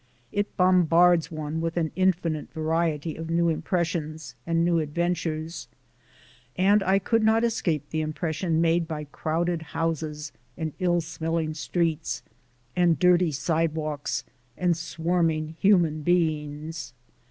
It bombards one with an infinite variety of new impressions and new adventures; and I could not escape the impression made by crowded houses, and ill smelling streets, and dirty sidewalks, and swarming human beings.